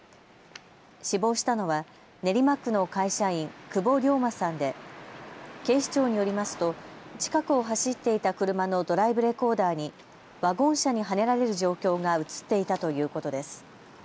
死亡したのは練馬区の会社員、久保龍馬さんで警視庁によりますと近くを走っていた車のドライブレコーダーにワゴン車にはねられる状況が写っていたということです。